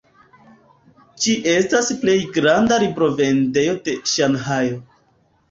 Ĝi estas plej granda librovendejo de Ŝanhajo.